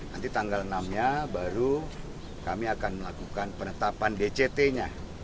nanti tanggal enam nya baru kami akan melakukan penetapan dct nya